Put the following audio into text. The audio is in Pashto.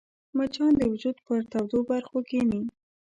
مچان د وجود پر تودو برخو کښېني